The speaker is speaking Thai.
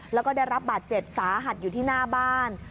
แล้วก็ได้รับบาดเจ็บสาหัสอยู่ที่หน้าบ้าน